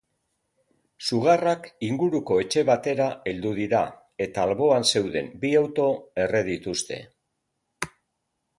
Sugarrak inguruko etxe batera heldu dira eta alboan zeuden bi auto erre dituzte.